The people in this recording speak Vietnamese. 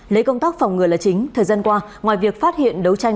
lấy công tác phòng ngừa là chính thời gian qua ngoài việc phát hiện đấu tranh